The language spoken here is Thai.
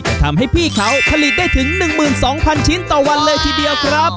ทำให้พี่เขาผลิตได้ถึง๑๒๐๐๐ชิ้นต่อวันเลยทีเดียวครับ